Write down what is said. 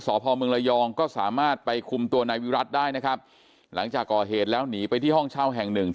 พ่อเมืองระยองก็สามารถไปคุมตัวนายวิรัติได้นะครับหลังจากก่อเหตุแล้วหนีไปที่ห้องเช่าแห่งหนึ่ง